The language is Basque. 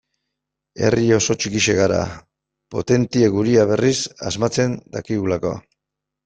Herri oso txikia gara, potentea gurea berriz asmatzen dakigulako.